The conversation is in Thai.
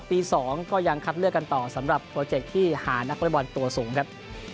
ปี๒ก็ยังคัดเลือกกันต่อสำหรับโปรเจคที่หานักบริบอลตัวสูงครับ